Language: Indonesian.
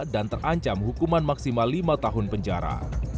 dan terancam hukuman maksimal lima tahun penjara